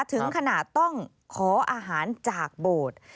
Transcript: ถึงขนาดต้องขออาหารจากโบสถ์